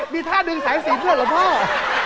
มีท่าดึงสายศีลทุกเหรอพ่อ